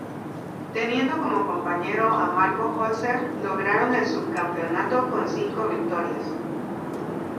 Teniendo como compañero a Marco Holzer, lograron el subcampeonato con cinco victorias.